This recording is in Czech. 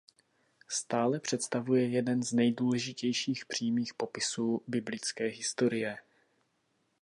Stéla představuje jeden z nejdůležitějších přímých popisů biblické historie.